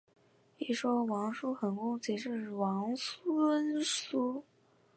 一说王叔桓公即是王孙苏。